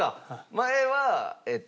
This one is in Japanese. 前はえっと。